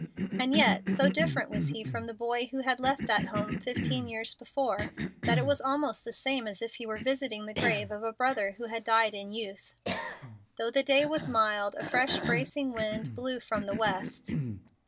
And yet, so different was he from the boy who had left that home fifteen years before, that it was almost the same as if he were visiting the grave of a brother who had died in youth. Though the day was mild, a fresh bracing wind blew from the west.